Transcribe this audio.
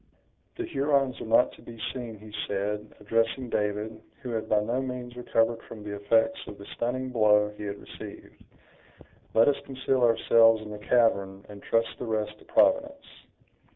"The Hurons are not to be seen," he said, addressing David, who had by no means recovered from the effects of the stunning blow he had received; "let us conceal ourselves in the cavern, and trust the rest to Providence."